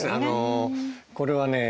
これはね